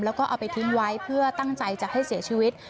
แล้วก็เอาไปทิ้งไว้เพื่อตั้งใจจะให้เสียชีวิต